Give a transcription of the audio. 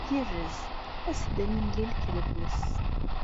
Igerrez! As-d ad nemlil kra wass.